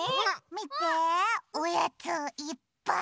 みておやついっぱい！